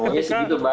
pokoknya sih gitu mbak